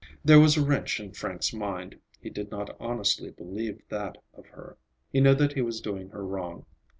There was a wrench in Frank's mind. He did not honestly believe that of her. He knew that he was doing her wrong.